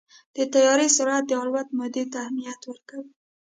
د طیارې سرعت د الوت مودې ته اهمیت ورکوي.